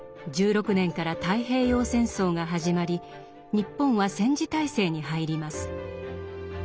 １６年から太平洋戦争が始まり日本は戦時体制に入ります。